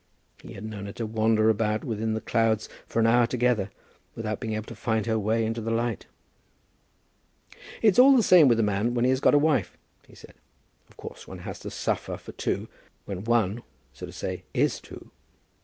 He had known her to wander about within the clouds for an hour together, without being able to find her way into the light. "It's all the same with a man when he has got a wife," he said. "Of course one has to suffer for two, when one, so to say, is two."